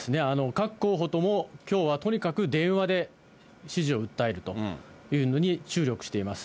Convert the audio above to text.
各候補とも、きょうはとにかく、電話で支持を訴えるというのに注力しています。